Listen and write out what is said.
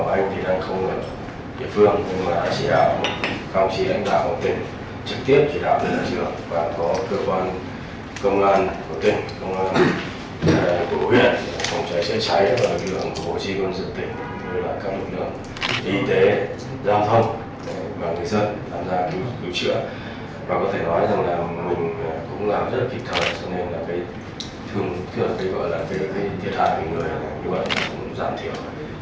và có thể nói rằng là mình cũng làm rất kịch thật cho nên là cái thiệt hại của người là cũng giảm thiểu